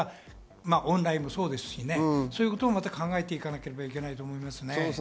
オンラインもそうですし、そういうことも考えていかなければいけないと思います。